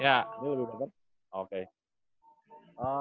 ya ini lebih better